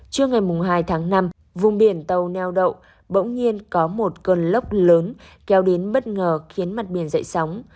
trưa ngày hai tháng năm vùng biển tàu neo đậu bỗng nhiên có một cơn lốc lớn kéo đến bất ngờ khiến mặt biển dậy sóng